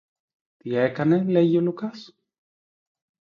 Τι έκανε, λέγει, ο Λουκάς;